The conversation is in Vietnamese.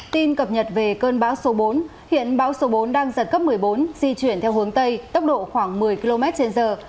tin cập nhật về cơn bão số bốn hiện bão số bốn đang giật cấp một mươi bốn di chuyển theo hướng tây tốc độ khoảng một mươi km trên giờ